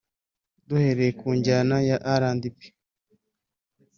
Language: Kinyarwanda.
Duhereye ku njyana ya RnB